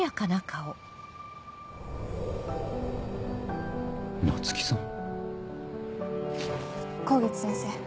香月先生